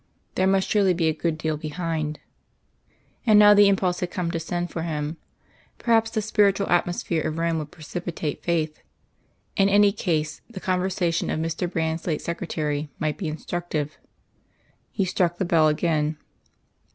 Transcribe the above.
There must surely be a good deal behind. And now the impulse had come to send for him. Perhaps the spiritual atmosphere of Rome would precipitate faith. In any case, the conversation of Mr. Brand's late secretary might be instructive. He struck the bell again.